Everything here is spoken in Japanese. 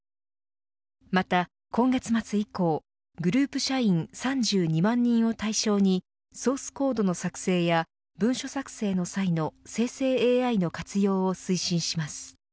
また、今月末以降グループ社員３２万人を対象にソースコードの作成や文書作成の際の生成ＡＩの活用を推進します。